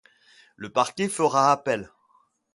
Le Parquet fera appel.